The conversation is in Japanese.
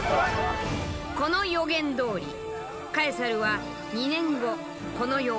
この予言どおりカエサルは２年後この世を去った。